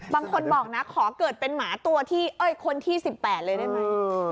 บางคนบอกนะขอเกิดเป็นหมาตัวที่เอ้ยคนที่๑๘เลยได้ไหม